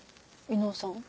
伊能さん。